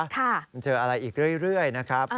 มันเจออะไรอีกเรื่อยนะครับ